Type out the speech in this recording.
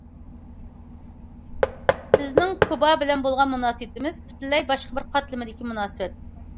بىزنىڭ كۇبا بىلەن بولغان مۇناسىۋىتىمىز پۈتۈنلەي باشقا بىر قاتلىمىدىكى مۇناسىۋەت.